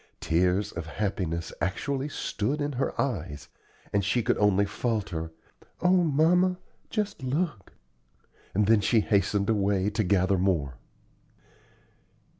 Tears of happiness actually stood in her eyes, and she could only falter, "O mamma! just look!" and then she hastened away to gather more.